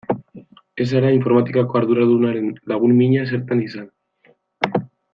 Ez zara informatikako arduradunaren lagun mina zertan izan.